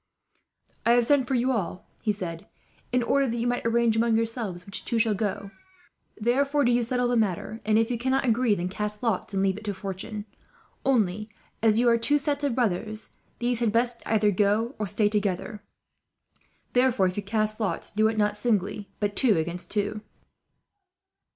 "I have sent for you all," he said, "in order that you might arrange among yourselves which two shall go. Therefore do you settle the matter, and if you cannot agree, then cast lots and leave it to fortune. Only, as you are two sets of brothers, these had best either go or stay together; therefore if you cast lots do it not singly, but two against two."